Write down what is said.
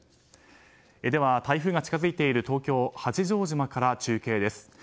では台風が近づいている東京・八丈島から中継です。